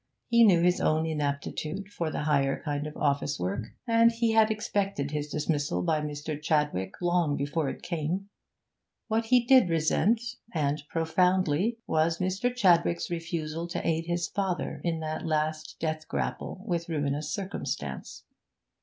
He knew his own inaptitude for the higher kind of office work, and he had expected his dismissal by Mr. Chadwick long before it came. What he did resent, and profoundly, was Mr. Chadwick's refusal to aid his father in that last death grapple with ruinous circumstance.